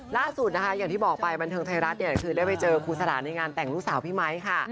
ล่าสุดนะคะอย่างที่บอกไปบันเทิงไทยรัฐเนี่ยคือได้ไปเจอครูสลาในงานแต่งลูกสาวพี่ไมค์ค่ะ